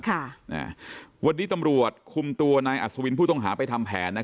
ค่ะอ่ะวันนี้ตำรวจคุมตัวพูดต้องหาไปทำแผนนะครับ